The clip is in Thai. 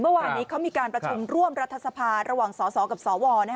เมื่อวานนี้เขามีการประชุมร่วมรัฐสภาระหว่างสสกับสว